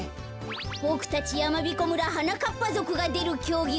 ボクたちやまびこ村はなかっぱぞくがでるきょうぎは。